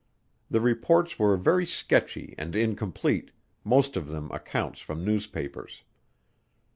The reports were very sketchy and incomplete, most of them accounts from newspapers.